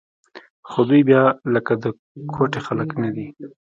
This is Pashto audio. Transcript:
خو دوى بيا لکه د کوټې خلق نه دي.